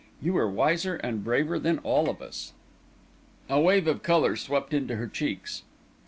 You were wiser and braver than all of us." A wave of colour swept into her cheeks.